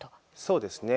そうですね。